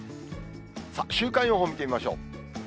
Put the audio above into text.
さあ、週間予報見てみましょう。